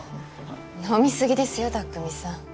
飲み過ぎですよ拓未さん。